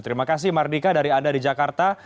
terima kasih mardika dari anda di jakarta